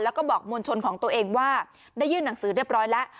แล้วก็บอกมวลชนของตัวเองว่าได้ยื่นหนังสือเรียบร้อยแล้ว